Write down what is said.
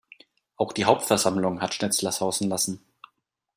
Auch die Hauptversammlung hat Schnitzler sausen lassen.